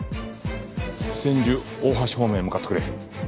千住大橋方面へ向かってくれ。